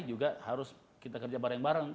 juga harus kita kerja bareng bareng